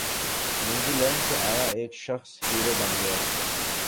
New Zealand سے آیا ایک شخص ہیرو بن گیا